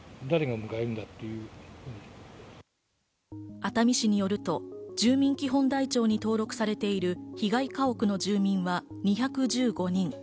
熱海市によると、住民基本台帳に登録されている被害家屋の住民は２１５人。